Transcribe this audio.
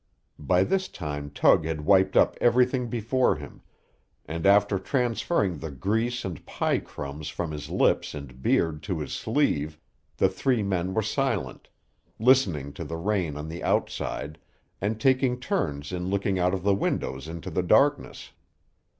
By this time Tug had wiped up everything before him, and after transferring the grease and pie crumbs from his lips and beard to his sleeve, the three men were silent, listening to the rain on the outside, and taking turns in looking out of the windows into the darkness.